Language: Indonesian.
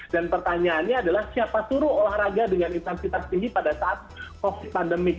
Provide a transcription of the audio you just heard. dan pertanyaannya adalah siapa suruh olahraga dengan intensitas tinggi pada saat pandemi